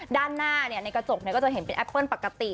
ด้านหน้าในกระจกก็จะเห็นเป็นแอปเปิ้ลปกติ